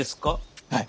はい。